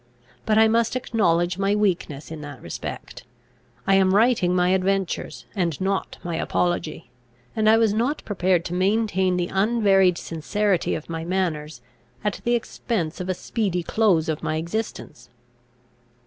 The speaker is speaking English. But I must acknowledge my weakness in that respect; I am writing my adventures, and not my apology; and I was not prepared to maintain the unvaried sincerity of my manners, at the expense of a speedy close of my existence.